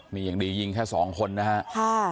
นี่อย่างดียิงแค่สองคนนะฮะค่ะ